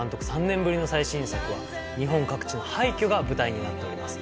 ３年ぶりの最新作は日本各地の廃墟が舞台になっております。